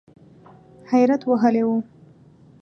حیرت وهلی و .